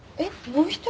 もう一人？